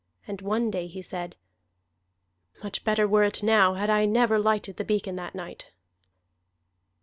And one day he said: "Much better were it now, had I never lighted the beacon that night."